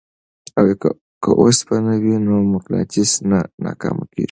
که اوسپنه وي نو مقناطیس نه ناکامیږي.